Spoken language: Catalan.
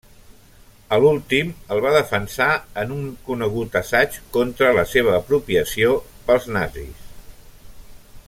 A l'últim, el va defensar en un conegut assaig contra la seva apropiació pels nazis.